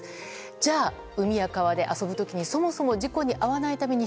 じゃあ、海や川で遊ぶ時にそもそも事故に遭わないように